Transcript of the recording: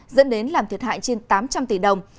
dẫn đến làm thiệt hại trên tám trăm linh tỷ đồng